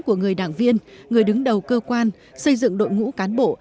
của người đảng viên người đứng đầu cơ quan xây dựng đội ngũ cán bộ